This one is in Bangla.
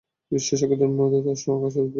বিশেষজ্ঞদের মতে তা অষ্টম আকাশে অবস্থিত।